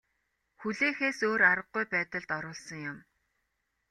Хүлээхээс өөр аргагүй байдалд оруулсан юм.